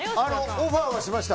オファーはしました。